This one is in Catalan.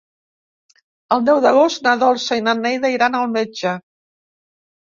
El deu d'agost na Dolça i na Neida iran al metge.